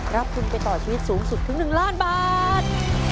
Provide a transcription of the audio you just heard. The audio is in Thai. รับทุนไปต่อชีวิตสูงสุดถึง๑ล้านบาท